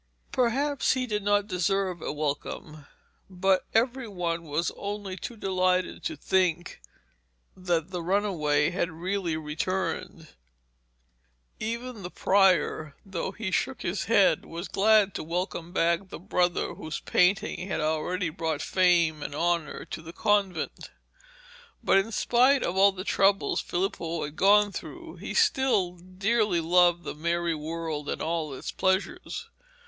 Perhaps he did not deserve a welcome, but every one was only too delighted to think that the runaway had really returned. Even the prior, though he shook his head, was glad to welcome back the brother whose painting had already brought fame and honour to the convent. But in spite of all the troubles Filippo had gone through, he still dearly loved the merry world and all its pleasures.